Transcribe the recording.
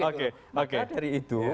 maka dari itu